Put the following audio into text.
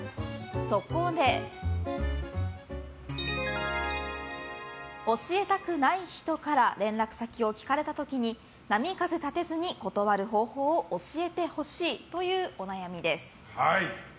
そこで、教えたくない人から連絡先を聞かれた時に波風立てずに断る方法を教えてほしいというお悩みです。